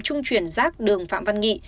trung chuyển giác đường phạm văn nghị